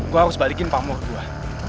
gue harus balikin pamur gue